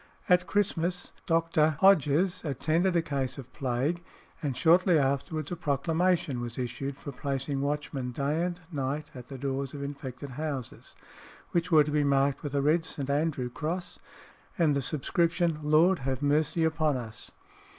At Christmas Dr. Hodges attended a case of plague, and shortly afterwards a proclamation was issued for placing watchmen day and night at the doors of infected houses, which were to be marked with a red St. Andrew cross and the subscription "Lord have mercy upon us!"